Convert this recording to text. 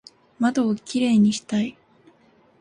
窓をキレイにしたい